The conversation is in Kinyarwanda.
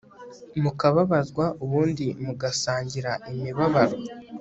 mukababazwa ubundi mugasangira imibabaro